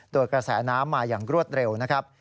โดยกระแสน้ำมาอย่างรวดเร็วนะครับ